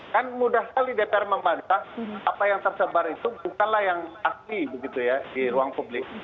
kan mudah sekali dpr membantah apa yang tersebar itu bukanlah yang asli begitu ya di ruang publik